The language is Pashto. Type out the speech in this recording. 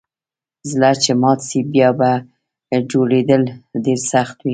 زړه چي مات سي بیا یه جوړیدل ډیر سخت دئ